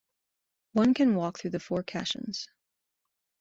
One can walk through the four caissons.